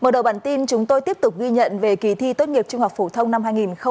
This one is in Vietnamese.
mở đầu bản tin chúng tôi tiếp tục ghi nhận về kỳ thi tốt nghiệp trung học phổ thông năm hai nghìn hai mươi